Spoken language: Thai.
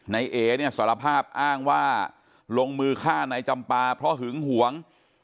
เอ๋เนี่ยสารภาพอ้างว่าลงมือฆ่านายจำปาเพราะหึงหวง